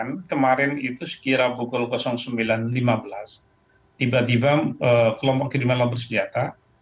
informasikan kemarin itu sekira pukul sembilan lima belas tiba tiba kelompok kiriman lampu senjata